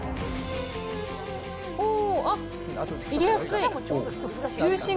おー！あっ、入れやすい。